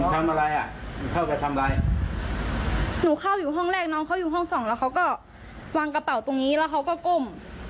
หนูเข้าอยู่ห้องแรกน้องเข้าอยู่ห้องสองแล้วเขาก็วางกระเป๋าตรงนี้แล้วเขาก็ก้ม